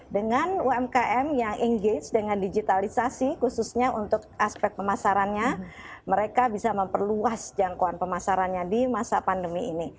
dengan umkm yang engage dengan digitalisasi khususnya untuk aspek pemasarannya mereka bisa memperluas jangkauan pemasarannya di masa pandemi ini